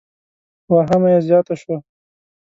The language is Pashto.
واهمه یې زیاته شوه.